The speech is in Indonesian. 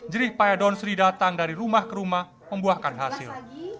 jerih payah donsri datang dari rumah ke rumah membuahkan hasil